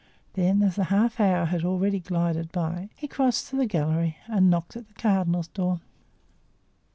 Then, as the half hour had already glided by, he crossed the gallery and knocked at the cardinal's door.